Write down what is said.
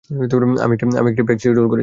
আমি একটি pack schedule করেছি।